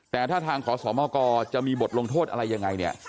แต่ถ้าทางขอสว่างมากอลจะมีบทลงโทษอะไรอย่างไร